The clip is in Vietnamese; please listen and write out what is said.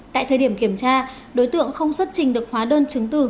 tại thời điểm kiểm tra đối tượng không xuất trình được hóa đơn chứng từ